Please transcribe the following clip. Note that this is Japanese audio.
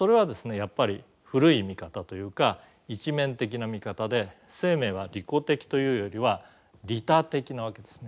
やっぱり古い見方というか一面的な見方で生命は利己的というよりは利他的なわけですね。